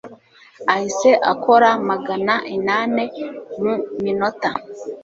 ahise akora magana inane mu minota